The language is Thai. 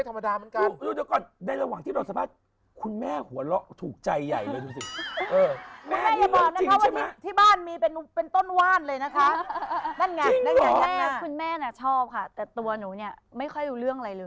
แต่ตัวหนูเนี่ยไม่ค่อยรู้เรื่องอะไรเลย